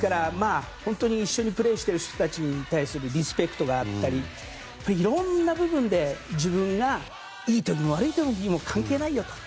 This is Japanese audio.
一緒にプレーしている人たちに対するリスペクトがあったりいろんな部分で自分がいい時も悪い時も関係ないよと。